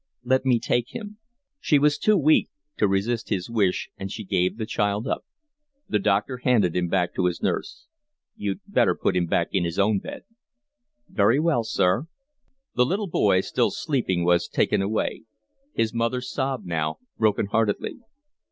"Let me take him." She was too weak to resist his wish, and she gave the child up. The doctor handed him back to his nurse. "You'd better put him back in his own bed." "Very well, sir." The little boy, still sleeping, was taken away. His mother sobbed now broken heartedly.